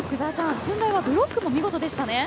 駿台はブロックも見事でしたね。